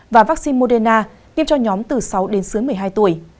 và vaccine moderna tiêm cho nhóm từ sáu đến dưới một mươi hai tuổi